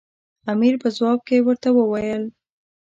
امیر په ځواب کې ورته وویل.